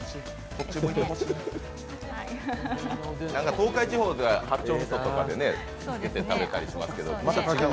東海地方では八丁味噌とかで食べたりしますけど。